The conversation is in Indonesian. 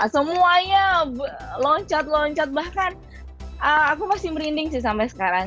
semuanya loncat loncat bahkan aku masih merinding sih sampai sekarang